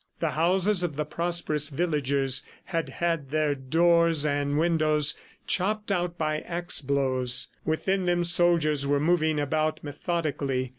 The houses of the prosperous villagers had had their doors and windows chopped out by axe blows. Within them soldiers were moving about methodically.